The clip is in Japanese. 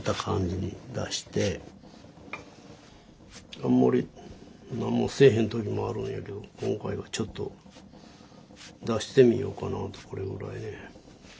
あんまり何もせえへんときもあるんやけど今回はちょっと出してみようかなとこれぐらいね。